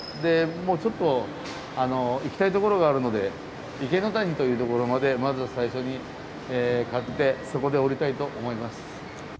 もうちょっと行きたい所があるので池谷という所までまず最初に買ってそこで降りたいと思います。